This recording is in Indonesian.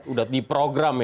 udah diprogram ya